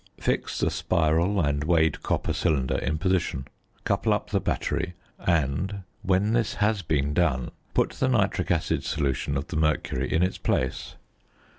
Fix the spiral and weighed copper cylinder in position, couple up the battery, and when this has been done put the nitric acid solution of the mercury in its place.